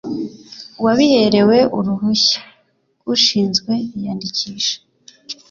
wabiherewe uruhushya ushinzwe iyandikisha